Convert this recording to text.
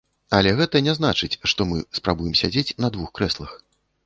Але гэта не значыць, што мы спрабуем сядзець на двух крэслах.